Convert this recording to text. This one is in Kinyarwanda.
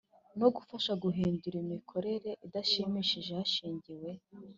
no gufasha guhindura imikorere idashimishije hashingiwe